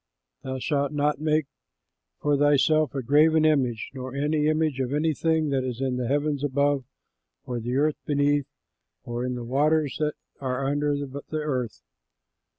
"THOU SHALT NOT MAKE FOR THYSELF A GRAVEN IMAGE, nor any image of anything that is in the heavens above, on the earth beneath, or in the waters that are under the earth.